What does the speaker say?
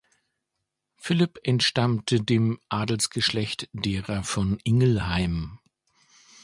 Philipp entstammte dem Adelsgeschlecht derer von Ingelheim.